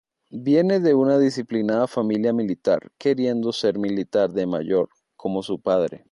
Viene de una disciplinada familia militar, queriendo ser militar de mayor, como su padre.